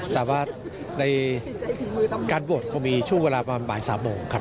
แต่ว่าในการโหวตก็มีช่วงเวลาประมาณบ่าย๓โมงครับ